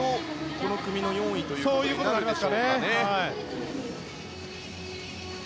この組の４位ということになるでしょうか。